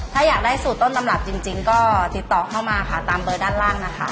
ถ้าอยากได้สูตรต้นตำรับจริงก็ติดต่อเข้ามาค่ะตามเบอร์ด้านล่างนะคะ